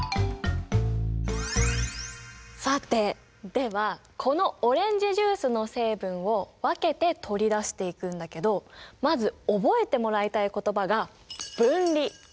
さてではこのオレンジジュースの成分を分けて取り出していくんだけどまず覚えてもらいたい言葉が「分離」。